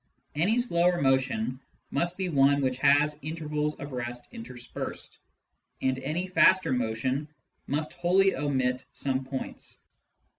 Any slower motion must be one which has intervals of rest inter spersed, and any faster motion must wholly omit some points.